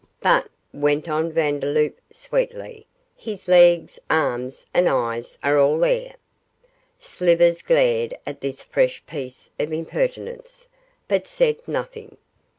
'But,' went on Vandeloup, sweetly, 'his legs, arms, and eyes are all there.' Slivers glared at this fresh piece of impertinence, but said nothing.